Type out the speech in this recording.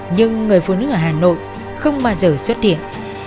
nhưng người phụ nữ ở hà nội không bao giờ xuất hiện